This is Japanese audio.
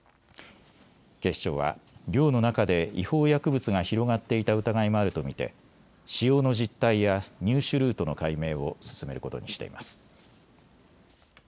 警視庁は寮の中で違法薬物が広がっていた疑いもあると見て使用の実態や入手ルートの解明を進めることにしています。